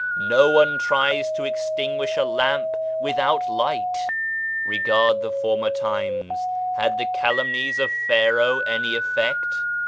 No one tries to extinguish a lamp without light ! Regard the former times. Had the calumnies of Pharaoh any effect